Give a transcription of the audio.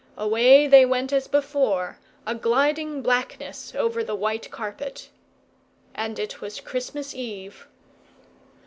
Away they went as before, a gliding blackness over the white carpet. And it was Christmas eve.